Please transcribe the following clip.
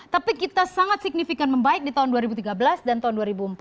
tapi kita sangat signifikan membaik di tahun dua ribu tiga belas dan tahun dua ribu empat belas